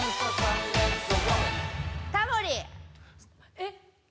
えっ？